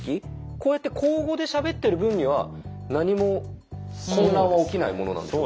こうやって口語でしゃべってる分には何も混乱は起きないものなんですか？